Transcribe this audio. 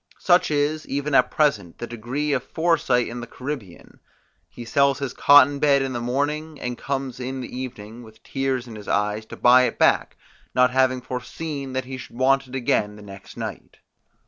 Such is, even at present, the degree of foresight in the Caribbean: he sells his cotton bed in the morning, and comes in the evening, with tears in his eyes, to buy it back, not having foreseen that he should want it again the next night.